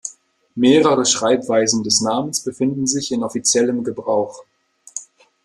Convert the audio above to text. Mehrere Schreibweisen des Namens befinden sich in offiziellem Gebrauch.